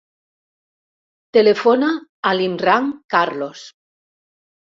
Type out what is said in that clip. Telefona a l'Imran Carlos.